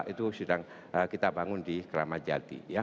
itu sedang kita bangun di keramat jati